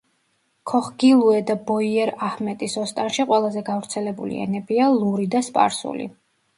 ქოხგილუე და ბოიერაჰმედის ოსტანში ყველაზე გავრცელებული ენებია: ლური და სპარსული.